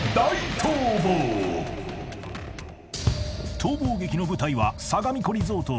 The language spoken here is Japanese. ［逃亡劇の舞台は］